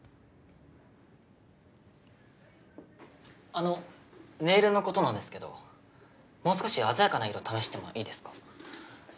あのネイルのことなんですけどもう少し鮮やかな色試してもいいですか？